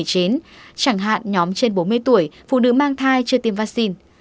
chẳng hạn nhóm trên bốn mươi tuổi phụ nữ mang thai chưa tiêm vaccine